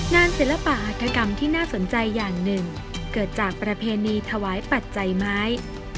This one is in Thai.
ศิลปะหัตถกรรมที่น่าสนใจอย่างหนึ่งเกิดจากประเพณีถวายปัจจัยไม้